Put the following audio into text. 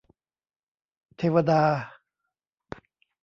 เทวดา